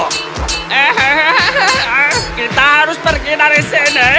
hehehe kita harus pergi dari sini